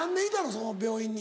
その病院に。